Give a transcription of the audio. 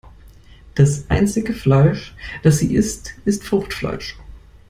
Das einzige Fleisch, das sie isst, ist Fruchtfleisch.